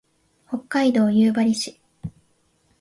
北海道夕張市